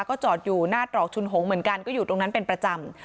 ก็จอดอยู่หน้าตรอกชุนหงษ์เหมือนกันก็อยู่ตรงนั้นเป็นประจำ